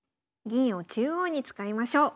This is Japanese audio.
銀を中央に使いましょう。